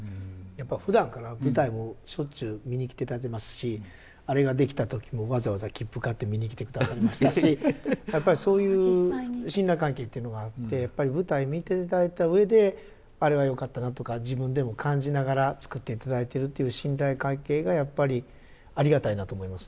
やっぱりふだんから舞台をしょっちゅう見に来ていただいてますしあれが出来た時もわざわざ切符買って見に来てくださいましたしやっぱりそういう信頼関係っていうのがあってやっぱり舞台見ていただいた上で「あれがよかったな」とか自分でも感じながら作っていただいてるっていう信頼関係がやっぱりありがたいなと思います